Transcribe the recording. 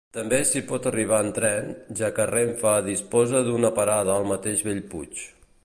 També s'hi pot arribar en tren, ja que Renfe disposa d'una parada al mateix Bellpuig.